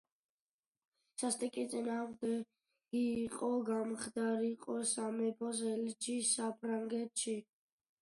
სასტიკი წინააღმდეგი იყო გამხდარიყო სამეფოს ელჩი საფრანგეთში.